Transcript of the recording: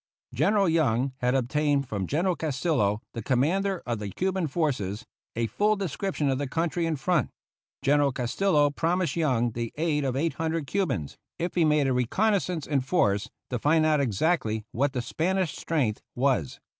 General Young had obtained from General Castillo, the commander of the Cuban forces, a full description of the country in front. General Castillo promised Young the aid of eight hundred Cubans, if he made a reconnaissance in force to find out exactly what the Spanish strength was.